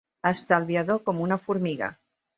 Estalviador com una formiga.